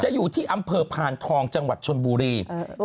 อยู่ที่อำเภอพานทองจังหวัดชนบุรี